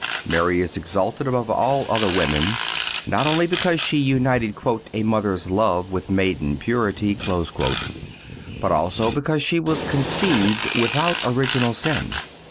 (233) Mary is exalted above all other women, not only because she united "a mother's love with maiden purity," but also because she was conceived without original sin.